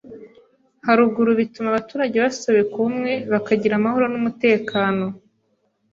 haruguru bituma abaturage basobeka Ubumwe, bakagira amahoro n’umutekano